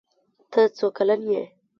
ته څو کلن یې؟